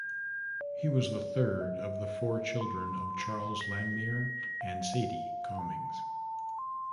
He was the third of the four children of Charles Langmuir and Sadie, Comings.